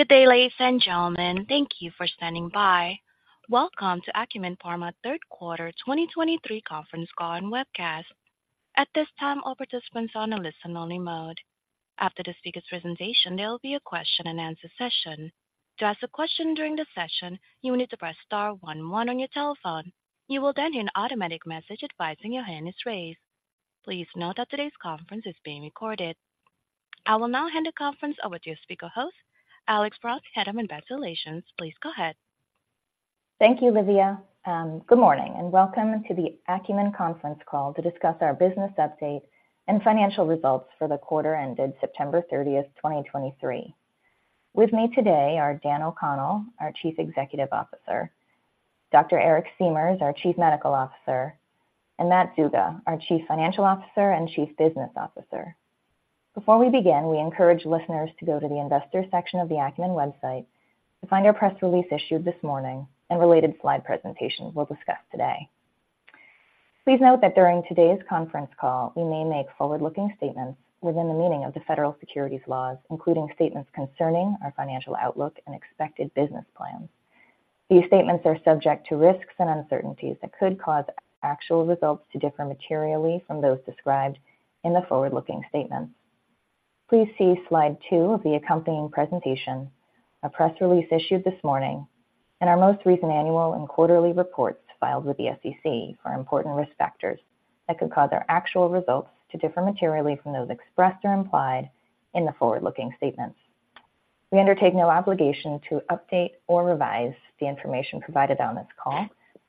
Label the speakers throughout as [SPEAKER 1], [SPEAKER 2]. [SPEAKER 1] Good day, ladies and gentlemen. Thank you for standing by. Welcome to Acumen Pharma Third Quarter 2023 Conference Call and Webcast. At this time, all participants are on a listen-only mode. After the speaker's presentation, there will be a question-and-answer session. To ask a question during the session, you will need to press star one one on your telephone. You will then hear an automatic message advising your hand is raised. Please note that today's conference is being recorded. I will now hand the conference over to your speaker host, Alex Brose, Head of Investor Relations. Please go ahead.
[SPEAKER 2] Thank you, Livia. Good morning, and welcome to the Acumen Conference Call to discuss our business update and financial results for the quarter ended September 30, 2023. With me today are Dan O'Connell, our Chief Executive Officer, Dr. Eric Siemers, our Chief Medical Officer, and Matt Zuga, our Chief Financial Officer and Chief Business Officer. Before we begin, we encourage listeners to go to the investors section of the Acumen website to find our press release issued this morning and related slide presentations we'll discuss today. Please note that during today's conference call, we may make forward-looking statements within the meaning of the federal securities laws, including statements concerning our financial outlook and expected business plans. These statements are subject to risks and uncertainties that could cause actual results to differ materially from those described in the forward-looking statements. Please see slide two of the accompanying presentation, a press release issued this morning, and our most recent annual and quarterly reports filed with the SEC for important risk factors that could cause our actual results to differ materially from those expressed or implied in the forward-looking statements. We undertake no obligation to update or revise the information provided on this call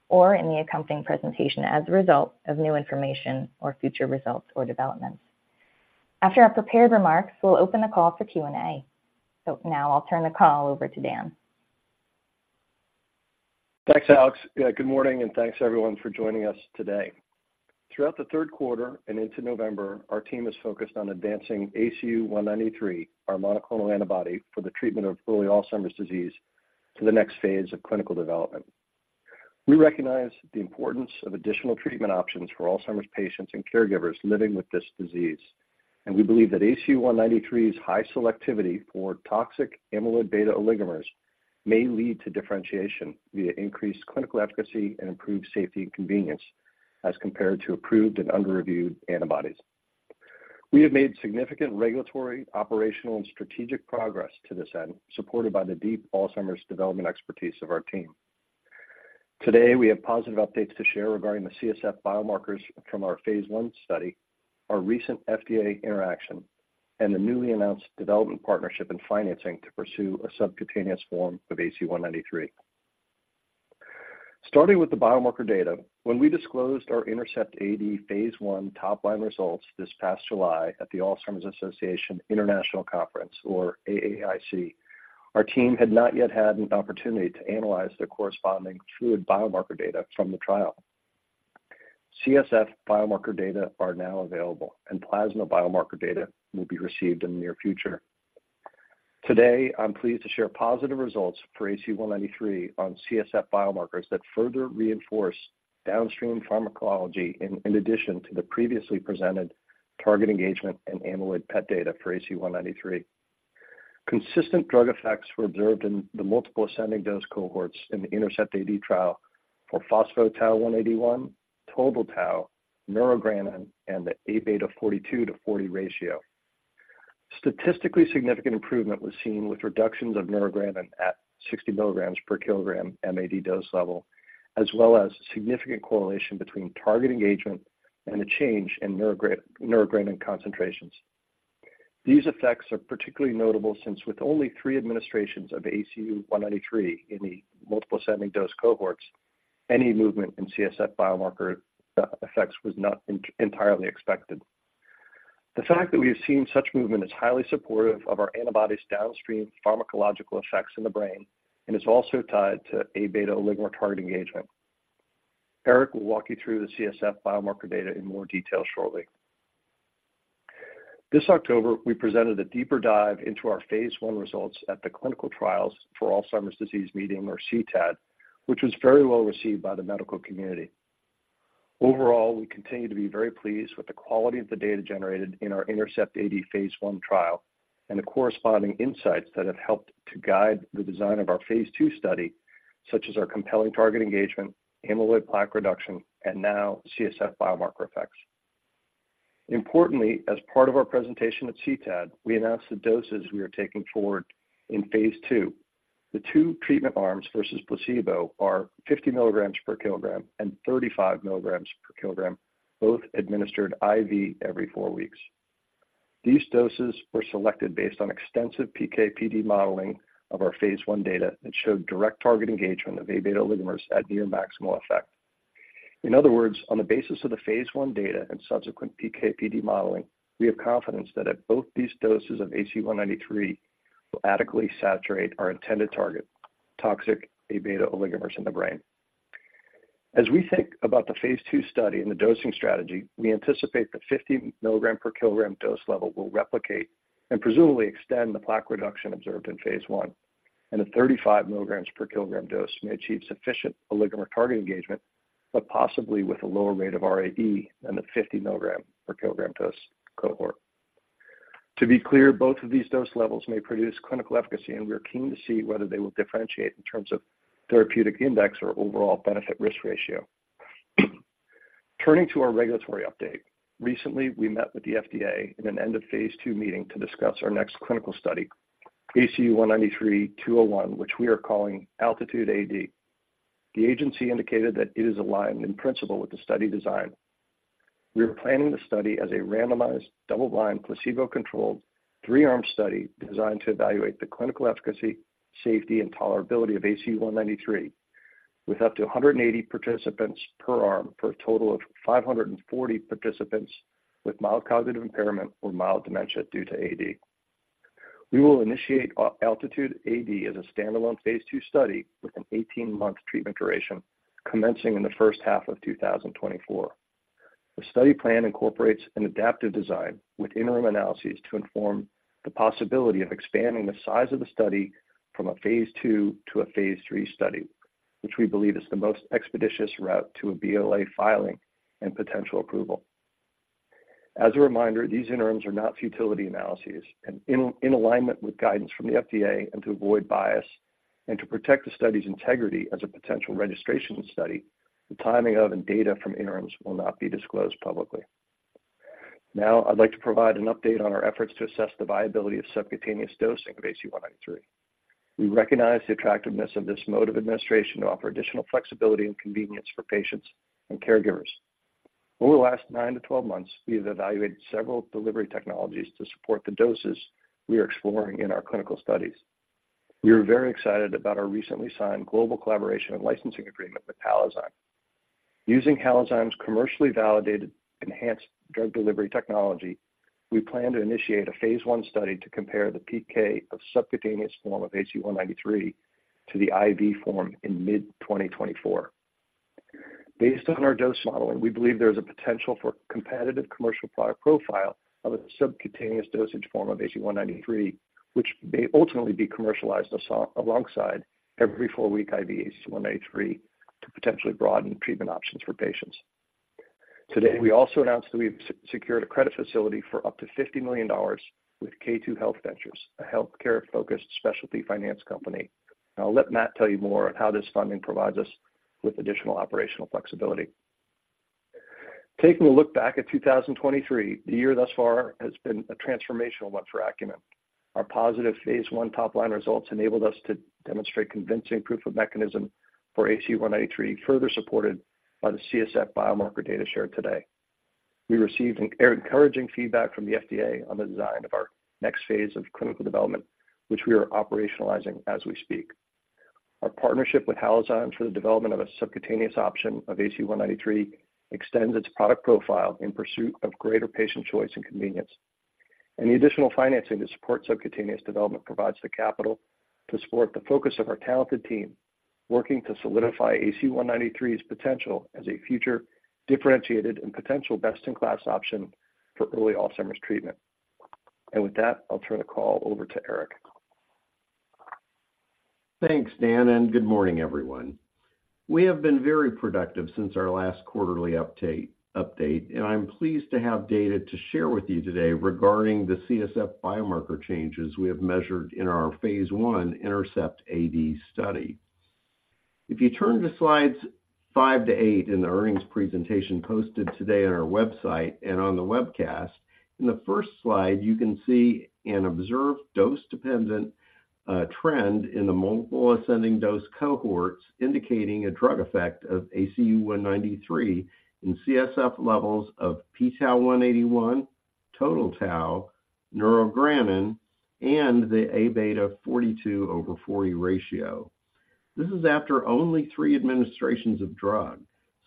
[SPEAKER 2] or in the accompanying presentation as a result of new information or future results or developments. After our prepared remarks, we'll open the call for Q&A. Now I'll turn the call over to Dan.
[SPEAKER 3] Thanks, Alex. Yeah, good morning, and thanks everyone for joining us today. Throughout the third quarter and into November, our team is focused on advancing ACU193, our monoclonal antibody for the treatment of early Alzheimer's disease, to the next phase of clinical development. We recognize the importance of additional treatment options for Alzheimer's patients and caregivers living with this disease, and we believe that ACU193's high selectivity for toxic amyloid beta oligomers may lead to differentiation via increased clinical efficacy and improved safety and convenience as compared to approved and under-reviewed antibodies. We have made significant regulatory, operational, and strategic progress to this end, supported by the deep Alzheimer's development expertise of our team. Today, we have positive updates to share regarding the CSF biomarkers from our phase 1 study, our recent FDA interaction, and the newly announced development partnership and financing to pursue a subcutaneous form of ACU193. Starting with the biomarker data, when we disclosed our INTERCEPT-AD phase 1 top-line results this past July at the Alzheimer's Association International Conference, or AAIC, our team had not yet had an opportunity to analyze the corresponding fluid biomarker data from the trial. CSF biomarker data are now available, and plasma biomarker data will be received in the near future. Today, I'm pleased to share positive results for ACU193 on CSF biomarkers that further reinforce downstream pharmacology in addition to the previously presented target engagement and amyloid PET data for ACU193. Consistent drug effects were observed in the multiple ascending dose cohorts in the INTERCEPT-AD trial for phospho-tau 181, total tau, neurogranin, and the Aβ 42/40 ratio. Statistically significant improvement was seen with reductions of neurogranin at 60 milligrams per kilogram MAD dose level, as well as significant correlation between target engagement and a change in neurogranin concentrations. These effects are particularly notable since with only three administrations of ACU193 in the multiple ascending dose cohorts, any movement in CSF biomarker effects was not entirely expected. The fact that we have seen such movement is highly supportive of our antibody's downstream pharmacological effects in the brain and is also tied to Aβ oligomer target engagement. Eric will walk you through the CSF biomarker data in more detail shortly. This October, we presented a deeper dive into our phase one results at the Clinical Trials for Alzheimer's Disease meeting, or CTAD, which was very well received by the medical community. Overall, we continue to be very pleased with the quality of the data generated in our INTERCEPT-AD phase 1 trial and the corresponding insights that have helped to guide the design of our phase 2 study, such as our compelling target engagement, amyloid plaque reduction, and now CSF biomarker effects. Importantly, as part of our presentation at CTAD, we announced the doses we are taking forward in phase 2. The two treatment arms versus placebo are 50 milligrams per kilogram and 35 milligrams per kilogram, both administered IV every 4 weeks. These doses were selected based on extensive PK/PD modeling of our phase 1 data that showed direct target engagement of Aβ oligomers at near maximal effect. In other words, on the basis of the phase 1 data and subsequent PK/PD modeling, we have confidence that at both these doses of ACU193 will adequately saturate our intended target: toxic Aβ oligomers in the brain. As we think about the phase 2 study and the dosing strategy, we anticipate that 50 milligrams per kilogram dose level will replicate and presumably extend the plaque reduction observed in phase 1, and the 35 milligrams per kilogram dose may achieve sufficient oligomer target engagement but possibly with a lower rate of ARIA than the 50 milligrams per kilogram dose cohort. To be clear, both of these dose levels may produce clinical efficacy, and we are keen to see whether they will differentiate in terms of therapeutic index or overall benefit risk ratio. Turning to our regulatory update, recently, we met with the FDA in an end-of-phase 2 meeting to discuss our next clinical study, ACU193-201, which we are calling ALTITUDE-AD. The agency indicated that it is aligned in principle with the study design. We are planning the study as a randomized, double-blind, placebo-controlled, three-arm study designed to evaluate the clinical efficacy, safety, and tolerability of ACU193, with up to 180 participants per arm for a total of 540 participants with mild cognitive impairment or mild dementia due to AD. We will initiate our ALTITUDE-AD as a standalone phase 2 study with an 18-month treatment duration, commencing in the first half of 2024. The study plan incorporates an adaptive design with interim analyses to inform the possibility of expanding the size of the study from a phase 2 to a phase 3 study, which we believe is the most expeditious route to a BLA filing and potential approval. As a reminder, these interims are not futility analyses, and in alignment with guidance from the FDA and to avoid bias and to protect the study's integrity as a potential registration study, the timing of and data from interims will not be disclosed publicly. Now, I'd like to provide an update on our efforts to assess the viability of subcutaneous dosing of ACU193. We recognize the attractiveness of this mode of administration to offer additional flexibility and convenience for patients and caregivers. Over the last 9-12 months, we have evaluated several delivery technologies to support the doses we are exploring in our clinical studies. We are very excited about our recently signed global collaboration and licensing agreement with Halozyme. Using Halozyme's commercially validated enhanced drug delivery technology, we plan to initiate a phase 1 study to compare the PK of subcutaneous form of ACU193 to the IV form in mid-2024. Based on our dose modeling, we believe there is a potential for competitive commercial product profile of a subcutaneous dosage form of ACU193, which may ultimately be commercialized as a alongside every 4-week IV ACU193 to potentially broaden treatment options for patients. Today, we also announced that we've secured a credit facility for up to $50 million with K2 Health Ventures, a healthcare-focused specialty finance company. I'll let Matt tell you more on how this funding provides us with additional operational flexibility. Taking a look back at 2023, the year thus far has been a transformational one for Acumen. Our positive Phase 1 top-line results enabled us to demonstrate convincing proof of mechanism for ACU193, further supported by the CSF biomarker data shared today. We received an encouraging feedback from the FDA on the design of our next phase of clinical development, which we are operationalizing as we speak. Our partnership with Halozyme for the development of a subcutaneous option of ACU193 extends its product profile in pursuit of greater patient choice and convenience. The additional financing to support subcutaneous development provides the capital to support the focus of our talented team, working to solidify ACU193's potential as a future differentiated and potential best-in-class option for early Alzheimer's treatment. With that, I'll turn the call over to Eric.
[SPEAKER 4] Thanks, Dan, and good morning, everyone. We have been very productive since our last quarterly update, and I'm pleased to have data to share with you today regarding the CSF biomarker changes we have measured in our phase 1 INTERCEPT-AD study. If you turn to slides 5-8 in the earnings presentation posted today on our website and on the webcast, in the first slide, you can see an observed dose-dependent trend in the multiple ascending dose cohorts, indicating a drug effect of ACU193 in CSF levels of p-tau 181, total tau, neurogranin, and the Aβ 42/40 ratio. This is after only 3 administrations of drug,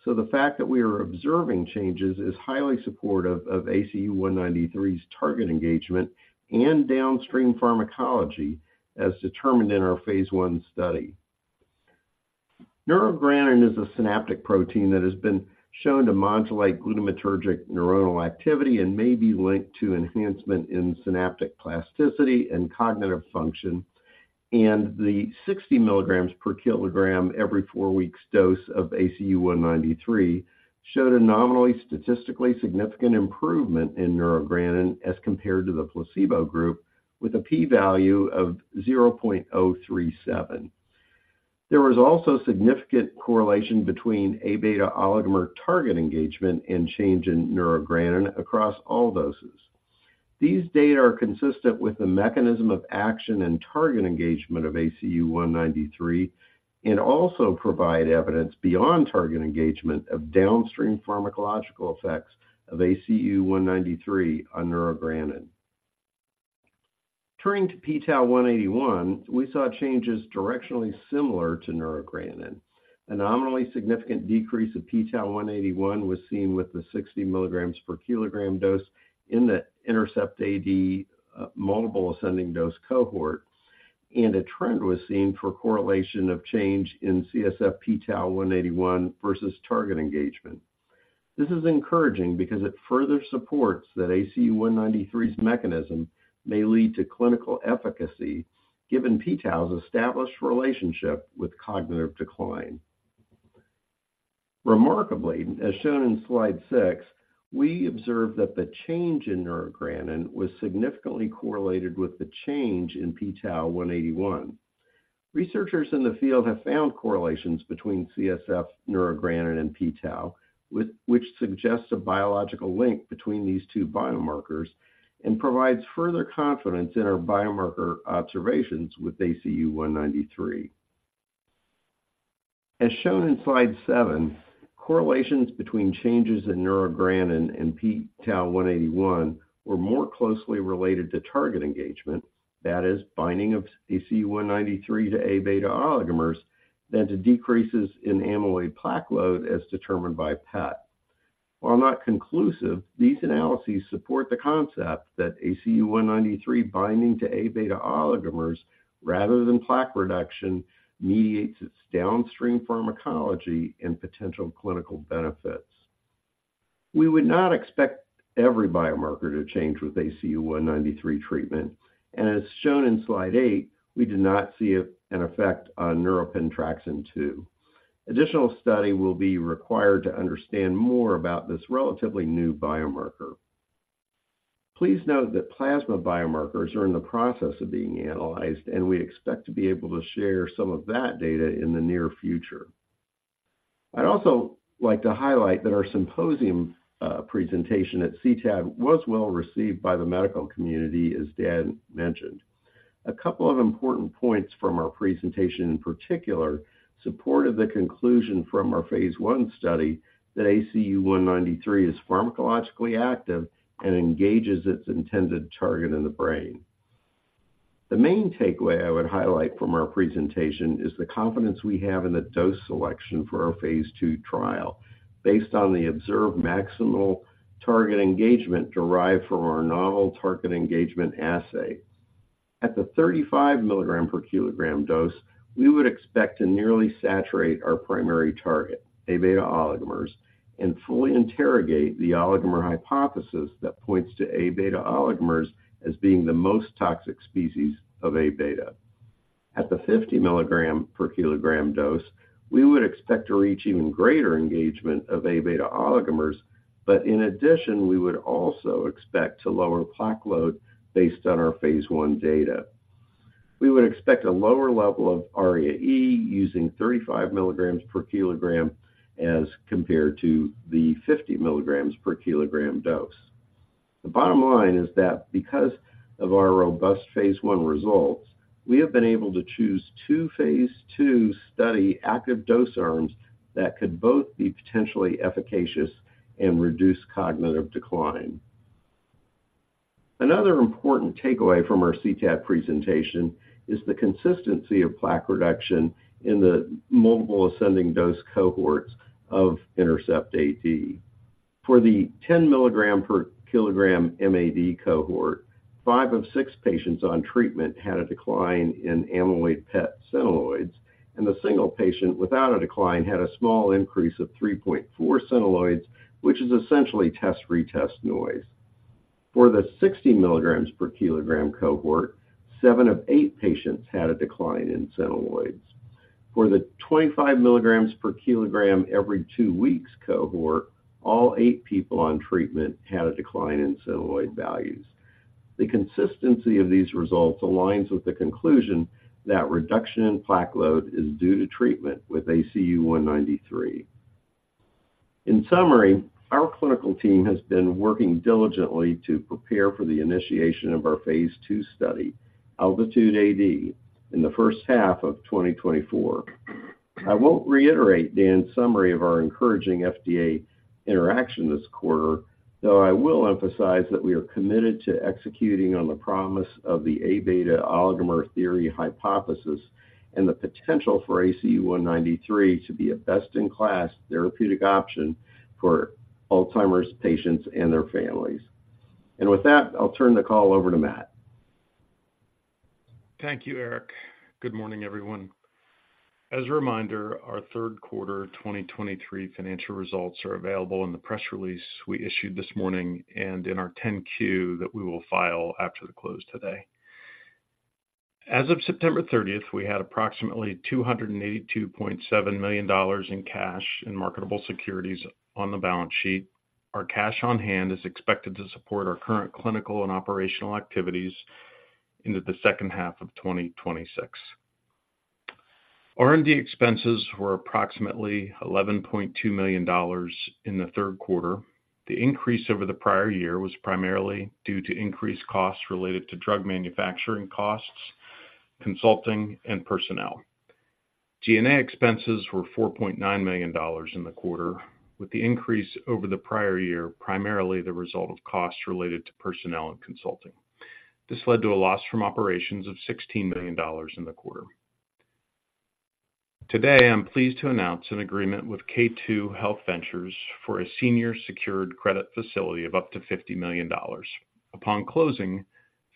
[SPEAKER 4] so the fact that we are observing changes is highly supportive of ACU193's target engagement and downstream pharmacology, as determined in our phase 1 study. Neurogranin is a synaptic protein that has been shown to modulate glutamatergic neuronal activity and may be linked to enhancement in synaptic plasticity and cognitive function, and the 60 milligrams per kilogram every four weeks dose of ACU193 showed a nominally statistically significant improvement in neurogranin as compared to the placebo group, with a p-value of 0.037. There was also significant correlation between Aβ oligomer target engagement and change in neurogranin across all doses. These data are consistent with the mechanism of action and target engagement of ACU193 and also provide evidence beyond target engagement of downstream pharmacological effects of ACU193 on neurogranin. Turning to p-tau 181, we saw changes directionally similar to neurogranin. A nominally significant decrease of p-tau 181 was seen with the 60 milligrams per kilogram dose in the INTERCEPT-AD, multiple ascending dose cohort, and a trend was seen for correlation of change in CSF p-tau 181 versus target engagement. This is encouraging because it further supports that ACU193's mechanism may lead to clinical efficacy, given p-tau's established relationship with cognitive decline. Remarkably, as shown in Slide 6, we observed that the change in neurogranin was significantly correlated with the change in p-tau 181. Researchers in the field have found correlations between CSF neurogranin and p-tau, which suggests a biological link between these two biomarkers, and provides further confidence in our biomarker observations with ACU193. As shown in Slide 7, correlations between changes in neurogranin and p-tau 181 were more closely related to target engagement. That is, binding of ACU193 to Aβ oligomers, than to decreases in amyloid plaque load as determined by PET. While not conclusive, these analyses support the concept that ACU193 binding to Aβ oligomers rather than plaque reduction, mediates its downstream pharmacology and potential clinical benefits. We would not expect every biomarker to change with ACU193 treatment, and as shown in Slide 8, we did not see an effect on Neuropentraxin-2. Additional study will be required to understand more about this relatively new biomarker. Please note that plasma biomarkers are in the process of being analyzed, and we expect to be able to share some of that data in the near future. I'd also like to highlight that our symposium presentation at CTAD was well-received by the medical community, as Dan mentioned. A couple of important points from our presentation in particular, supported the conclusion from our phase 1 study, that ACU193 is pharmacologically active and engages its intended target in the brain. The main takeaway I would highlight from our presentation is the confidence we have in the dose selection for our phase 2 trial, based on the observed maximal target engagement derived from our novel target engagement assay. At the 35 milligram per kilogram dose, we would expect to nearly saturate our primary target, Aβ oligomers, and fully interrogate the oligomer hypothesis that points to Aβ oligomers as being the most toxic species of Aβ. At the 50 milligram per kilogram dose, we would expect to reach even greater engagement of Aβ oligomers, but in addition, we would also expect to lower plaque load based on our phase 1 data. We would expect a lower level of ARIA-E using 35 milligrams per kilogram as compared to the 50 milligrams per kilogram dose. The bottom line is that because of our robust phase 1 results, we have been able to choose two phase 2 study active dose arms that could both be potentially efficacious and reduce cognitive decline. Another important takeaway from our CTAD presentation is the consistency of plaque reduction in the multiple ascending dose cohorts of INTERCEPT-AD. For the 10 milligram per kilogram MAD cohort, five of six patients on treatment had a decline in amyloid PET centiloids, and the single patient without a decline had a small increase of 3.4 centiloids, which is essentially test-retest noise. For the 60 milligrams per kilogram cohort, seven of eight patients had a decline in centiloids. For the 25 milligrams per kilogram every 2 weeks cohort, all 8 people on treatment had a decline in Centiloid values. The consistency of these results aligns with the conclusion that reduction in plaque load is due to treatment with ACU193. In summary, our clinical team has been working diligently to prepare for the initiation of our phase 2 study, ALTITUDE-AD, in the first half of 2024. I won't reiterate Dan's summary of our encouraging FDA interaction this quarter, though I will emphasize that we are committed to executing on the promise of the Aβ oligomer theory hypothesis, and the potential for ACU193 to be a best-in-class therapeutic option for Alzheimer's patients and their families. With that, I'll turn the call over to Matt.
[SPEAKER 5] Thank you, Eric. Good morning, everyone. As a reminder, our third quarter 2023 financial results are available in the press release we issued this morning and in our 10-Q that we will file after the close today. As of September 30, we had approximately $282.7 million in cash and marketable securities on the balance sheet. Our cash on hand is expected to support our current clinical and operational activities into the second half of 2026. R&D expenses were approximately $11.2 million in the third quarter. The increase over the prior year was primarily due to increased costs related to drug manufacturing costs, consulting, and personnel. G&A expenses were $4.9 million in the quarter, with the increase over the prior year, primarily the result of costs related to personnel and consulting. This led to a loss from operations of $16 million in the quarter. Today, I'm pleased to announce an agreement with K2 Health Ventures for a senior secured credit facility of up to $50 million. Upon closing,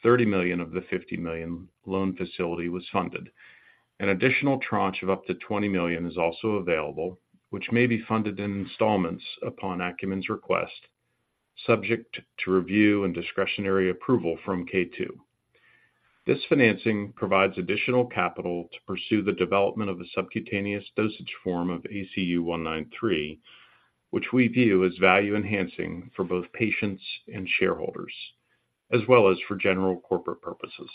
[SPEAKER 5] $30 million of the $50 million loan facility was funded. An additional tranche of up to $20 million is also available, which may be funded in installments upon Acumen's request, subject to review and discretionary approval from K2. This financing provides additional capital to pursue the development of the subcutaneous dosage form of ACU193, which we view as value-enhancing for both patients and shareholders, as well as for general corporate purposes.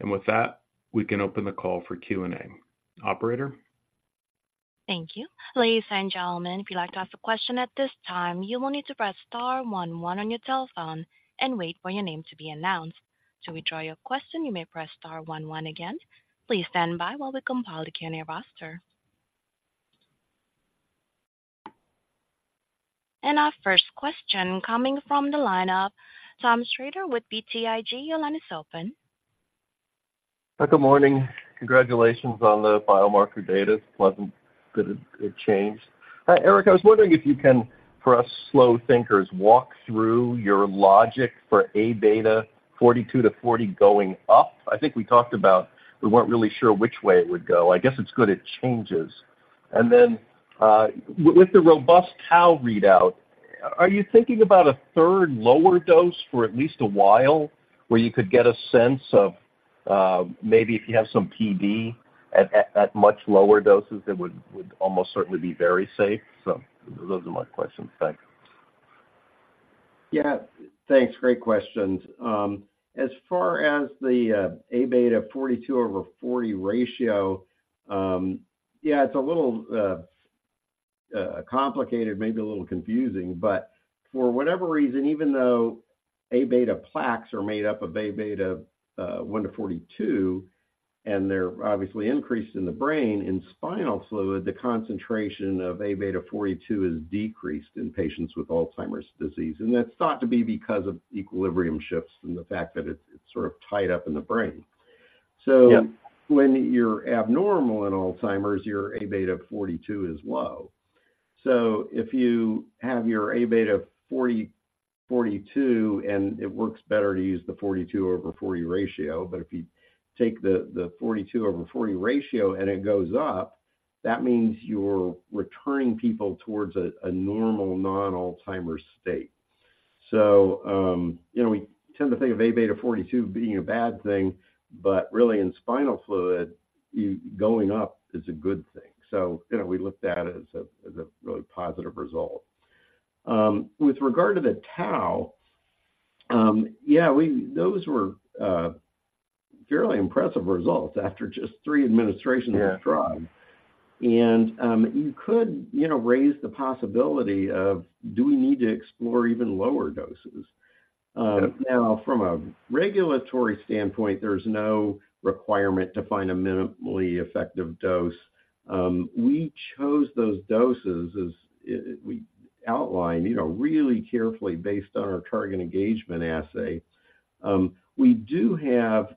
[SPEAKER 5] And with that, we can open the call for Q&A. Operator?
[SPEAKER 1] Thank you. Ladies and gentlemen, if you'd like to ask a question at this time, you will need to press star one one on your telephone and wait for your name to be announced. To withdraw your question, you may press star one one again. Please stand by while we compile the Q&A roster. Our first question coming from the lineup, Tom Shrader with BTIG, your line is open.
[SPEAKER 6] Good morning. Congratulations on the biomarker data. Pleasant that it changed. Eric, I was wondering if you can, for us slow thinkers, walk through your logic for Aβ 42-40 going up. I think we talked about we weren't really sure which way it would go. I guess it's good it changes. And then, with the robust tau readout, are you thinking about a third lower dose for at least a while, where you could get a sense of maybe if you have some PD at much lower doses, it would almost certainly be very safe? So those are my questions. Thanks.
[SPEAKER 4] Yeah. Thanks. Great questions. As far as the Aβ 42 over 40 ratio, yeah, it's a little complicated, maybe a little confusing, but for whatever reason, even though Aβ plaques are made up of Aβ 1-42, and they're obviously increased in the brain, in spinal fluid, the concentration of Aβ 42 is decreased in patients with Alzheimer's disease, and that's thought to be because of equilibrium shifts and the fact that it's sort of tied up in the brain. So when you're abnormal in Alzheimer's, your Aβ 42 is low. So if you have your Aβ 42, and it works better to use the 42/40 ratio, but if you take the 42/40 ratio and it goes up, that means you're returning people towards a normal, non-Alzheimer's state. So, you know, we tend to think of Aβ 42 being a bad thing, but really, in spinal fluid, going up is a good thing. So, you know, we looked at it as a really positive result. With regard to the tau, yeah, we those were fairly impressive results after just 3 administrations of the drug. And you could, you know, raise the possibility of, do we need to explore even lower doses? Now, from a regulatory standpoint, there's no requirement to find a minimally effective dose. We chose those doses as we outlined, you know, really carefully based on our target engagement assay. We do have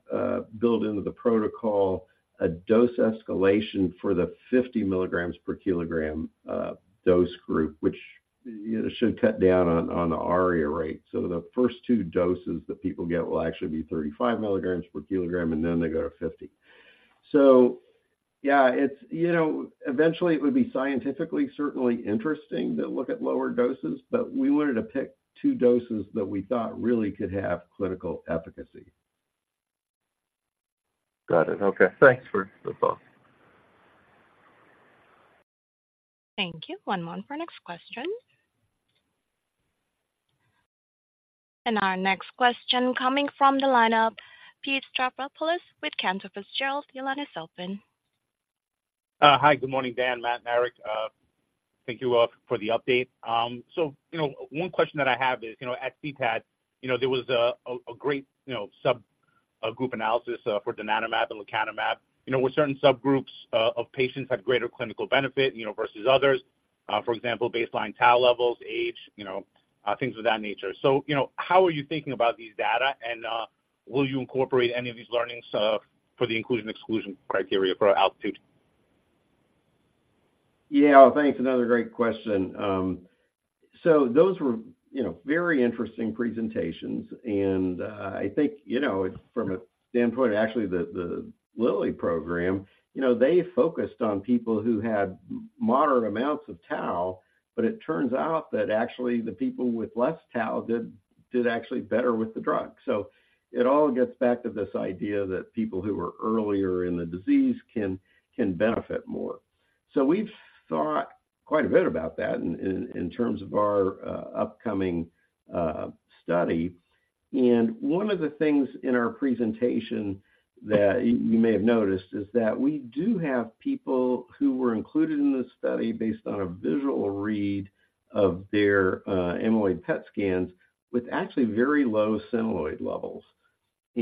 [SPEAKER 4] built into the protocol a dose escalation for the 50 milligrams per kilogram dose group, which, you know, should cut down on the ARIA rate. So the first two doses that people get will actually be 35 milligrams per kilogram, and then they go to 50. So yeah, it's, you know, eventually it would be scientifically, certainly interesting to look at lower doses, but we wanted to pick two doses that we thought really could have clinical efficacy.
[SPEAKER 6] Got it. Okay. Thanks for the thought.
[SPEAKER 1] Thank you. One moment for next question. And our next question coming from the lineup, Pete Stavropoulos with Cantor Fitzgerald. Your line is open.
[SPEAKER 7] Hi, good morning, Dan, Matt, and Eric. Thank you all for the update. So, you know, one question that I have is, you know, at CTAD, you know, there was a great, you know, subgroup analysis for donanemab and lecanemab. You know, with certain subgroups of patients had greater clinical benefit, you know, versus others, for example, baseline tau levels, age, you know, things of that nature. So, you know, how are you thinking about these data, and will you incorporate any of these learnings for the inclusion, exclusion criteria for ALTITUDE-AD?
[SPEAKER 4] Yeah. Thanks. Another great question. So those were, you know, very interesting presentations, and I think, you know, from a standpoint, actually, the Lilly program, you know, they focused on people who had moderate amounts of tau, but it turns out that actually the people with less tau did actually better with the drug. So it all gets back to this idea that people who are earlier in the disease can benefit more. So we've thought quite a bit about that in terms of our upcoming study. And one of the things in our presentation that you may have noticed is that we do have people who were included in the study based on a visual read of their amyloid PET scans with actually very low amyloid levels.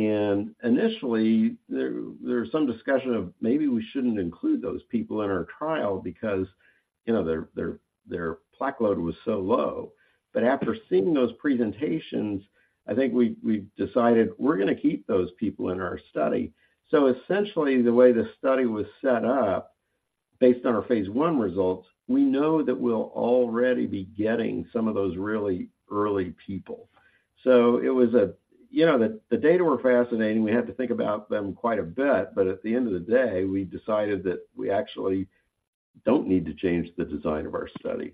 [SPEAKER 4] Initially, there was some discussion of maybe we shouldn't include those people in our trial because, you know, their plaque load was so low. But after seeing those presentations, I think we decided we're gonna keep those people in our study. So essentially, the way the study was set up, based on our phase I results, we know that we'll already be getting some of those really early people. So it was, you know, the data were fascinating. We had to think about them quite a bit, but at the end of the day, we decided that we actually don't need to change the design of our study.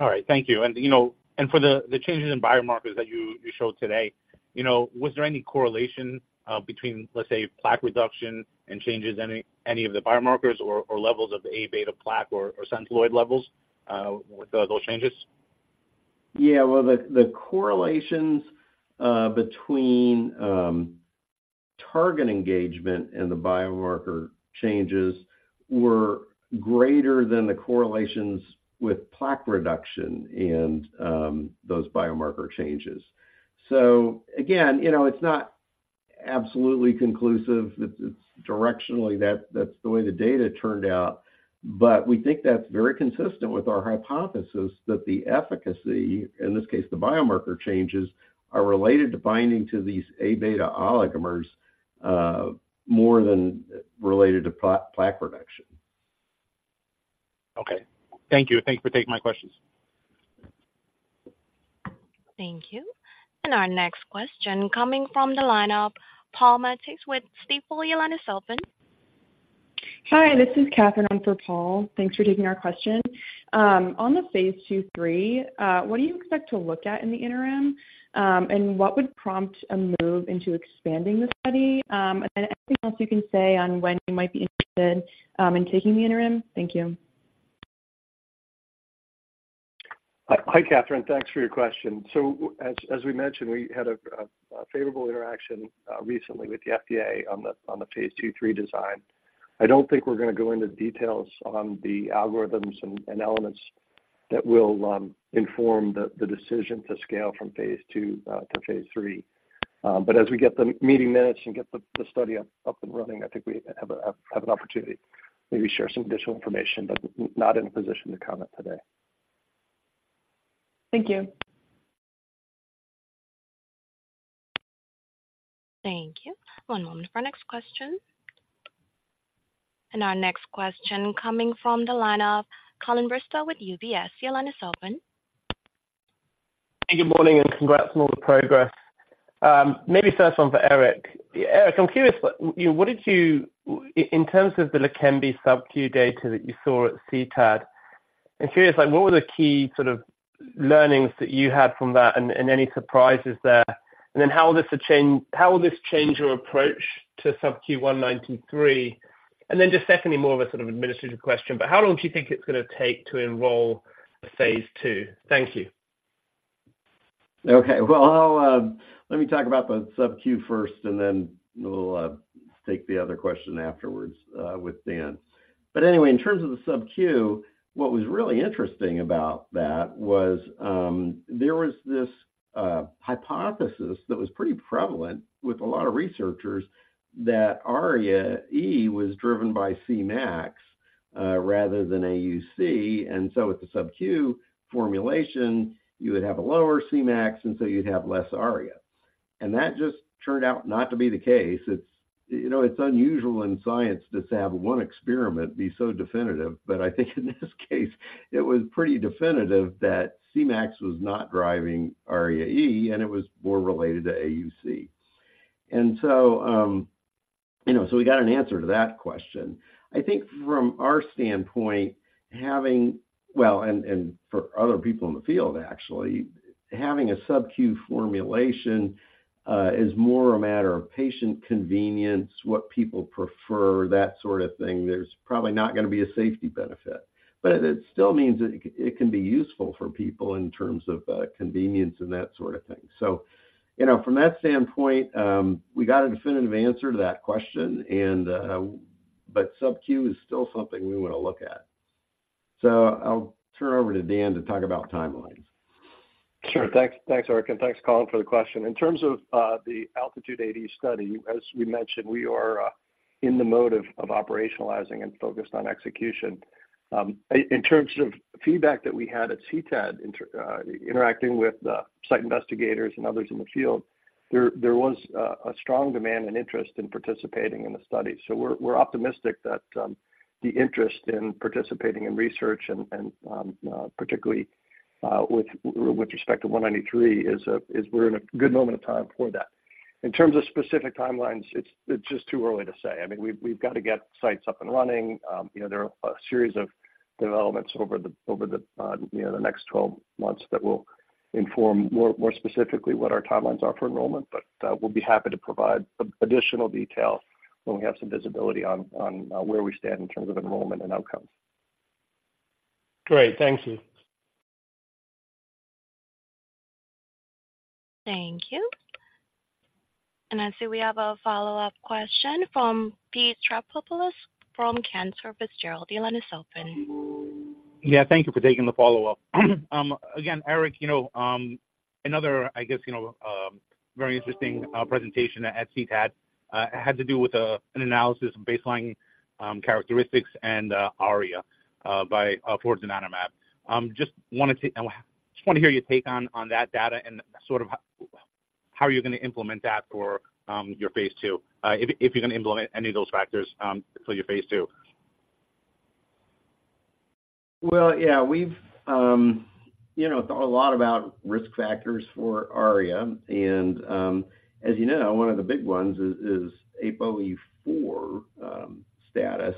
[SPEAKER 7] All right, thank you. You know, for the changes in biomarkers that you showed today, you know, was there any correlation between, let's say, plaque reduction and changes in any of the biomarkers or levels of Aβ plaque or Centiloid levels with those changes?
[SPEAKER 4] Yeah, well, the correlations between target engagement and the biomarker changes were greater than the correlations with plaque reduction and those biomarker changes. So again, you know, it's not absolutely conclusive. It's directionally, that's the way the data turned out. But we think that's very consistent with our hypothesis that the efficacy, in this case, the biomarker changes, are related to binding to these Aβ oligomers, more than related to plaque reduction.
[SPEAKER 7] Okay. Thank you. Thank you for taking my questions.
[SPEAKER 1] Thank you. Our next question coming from the line, Paul Matteis with Stifel.
[SPEAKER 8] Hi, this is Catherine in for Paul. Thanks for taking our question. On the phase II, III, what do you expect to look at in the interim? And what would prompt a move into expanding the study? And anything else you can say on when you might be interested in taking the interim? Thank you.
[SPEAKER 3] Hi, Catherine. Thanks for your question. So as we mentioned, we had a favorable interaction recently with the FDA on the phase II/III design. I don't think we're gonna go into details on the algorithms and elements that will inform the decision to scale from phase II to phase III. But as we get the meeting minutes and get the study up and running, I think we have an opportunity to maybe share some additional information, but not in a position to comment today.
[SPEAKER 8] Thank you.
[SPEAKER 1] Thank you. One moment for our next question. Our next question coming from the line of Colin Bristow with UBS. Your line is open.
[SPEAKER 9] Good morning, and congrats on all the progress. Maybe first one for Eric. Eric, I'm curious, you know, what did you—in terms of the Leqembi subq data that you saw at CTAD, I'm curious, like, what were the key sort of learnings that you had from that, and any surprises there? And then how will this change your approach to subq 193? And then just secondly, more of a sort of administrative question, but how long do you think it's gonna take to enroll phase II? Thank you.
[SPEAKER 4] Okay. Well, I'll let me talk about the subq first, and then we'll take the other question afterwards with Dan. But anyway, in terms of the subq, what was really interesting about that was there was this hypothesis that was pretty prevalent with a lot of researchers that ARIA-E was driven by Cmax rather than AUC. And so with the subq formulation, you would have a lower Cmax, and so you'd have less ARIA. And that just turned out not to be the case. It's, you know, it's unusual in science just to have one experiment be so definitive, but I think in this case it was pretty definitive that Cmax was not driving ARIA-E, and it was more related to AUC. And so, you know, so we got an answer to that question. I think from our standpoint, having... Well, for other people in the field, actually, having a subq formulation is more a matter of patient convenience, what people prefer, that sort of thing. There's probably not gonna be a safety benefit. But it still means that it can be useful for people in terms of convenience and that sort of thing. So, you know, from that standpoint, we got a definitive answer to that question, but subq is still something we want to look at. So I'll turn over to Dan to talk about timelines.
[SPEAKER 3] Sure. Thanks. Thanks, Eric, and thanks, Colin, for the question. In terms of the ALTITUDE-AD study, as we mentioned, we are in the mode of operationalizing and focused on execution. In terms of feedback that we had at CTAD, interacting with the site investigators and others in the field, there was a strong demand and interest in participating in the study. So we're optimistic that the interest in participating in research and particularly with respect to 193 is we're in a good moment of time for that. In terms of specific timelines, it's just too early to say. I mean, we've got to get sites up and running. You know, there are a series of developments over the, you know, the next 12 months that will inform more specifically what our timelines are for enrollment. But, we'll be happy to provide additional detail when we have some visibility on where we stand in terms of enrollment and outcomes.
[SPEAKER 9] Great. Thank you.
[SPEAKER 1] Thank you. I see we have a follow-up question from Pete Stavropoulos from Cantor Fitzgerald. The line is open.
[SPEAKER 7] Yeah, thank you for taking the follow-up. Again, Eric, you know, another, I guess, you know, very interesting presentation at CTAD had to do with an analysis of baseline characteristics and ARIA by toward donanemab. Just wanted to just want to hear your take on that data and sort of how are you going to implement that for your phase two? If, if you're going to implement any of those factors for your phase two.
[SPEAKER 4] Well, yeah, we've, you know, thought a lot about risk factors for ARIA, and, as you know, one of the big ones is APOE4 status.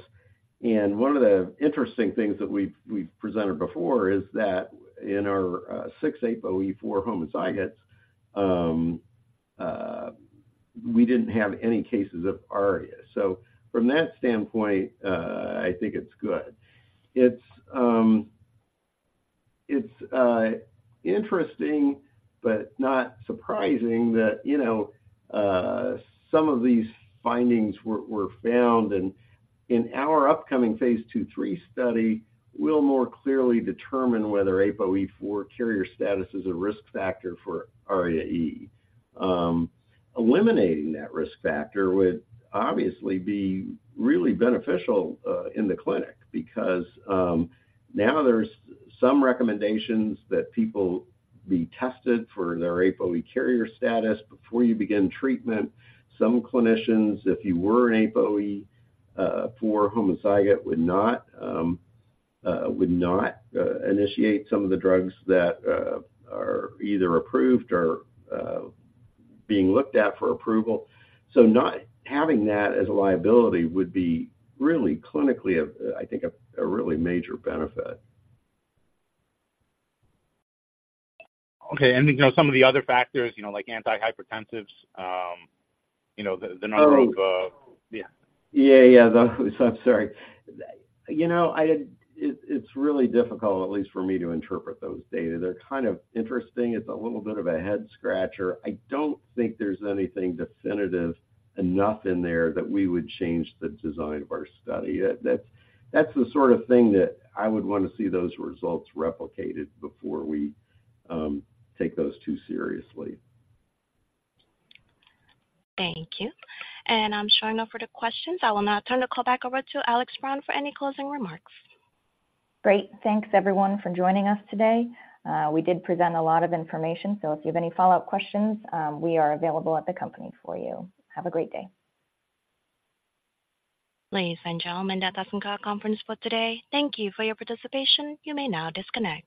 [SPEAKER 4] And one of the interesting things that we've presented before is that in our six APOE4 homozygotes, we didn't have any cases of ARIA. So from that standpoint, I think it's good. It's interesting, but not surprising that, you know, some of these findings were found, and in our upcoming phase two, three study, we'll more clearly determine whether APOE4 carrier status is a risk factor for ARIA-E. Eliminating that risk factor would obviously be really beneficial in the clinic because now there's some recommendations that people be tested for their APOE carrier status before you begin treatment. Some clinicians, if you were an APOE4 homozygote, would not initiate some of the drugs that are either approved or being looked at for approval. So not having that as a liability would be really clinically, I think, a really major benefit.
[SPEAKER 7] Okay. You know, some of the other factors, you know, like antihypertensives, you know, the number of-
[SPEAKER 4] Yeah, yeah. I'm sorry. You know, it's really difficult, at least for me, to interpret those data. They're kind of interesting. It's a little bit of a head scratcher. I don't think there's anything definitive enough in there that we would change the design of our study. That's the sort of thing that I would want to see those results replicated before we take those too seriously.
[SPEAKER 1] Thank you. I'm showing no further questions. I will now turn the call back over to Alex Brose for any closing remarks.
[SPEAKER 2] Great. Thanks, everyone, for joining us today. We did present a lot of information, so if you have any follow-up questions, we are available at the company for you. Have a great day.
[SPEAKER 1] Ladies and gentlemen, that does end our conference call today. Thank you for your participation. You may now disconnect.